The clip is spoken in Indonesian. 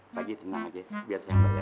pagi tenang aja biar saya ambil ya